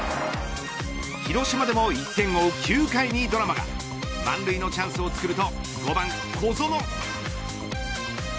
広島でも１点を追う９回にドラマが満塁のチャンスをつくると５番、小園。